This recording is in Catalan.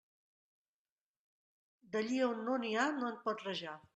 D'allí a on no n'hi ha no en pot rajar.